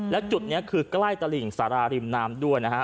และจุดนี้คือกล้ายตระหลิงสาราริมน้ำด้วยนะฮะ